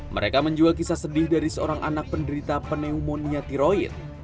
mereka menjual kisah sedih dari seorang anak penderita pneumonia tiroid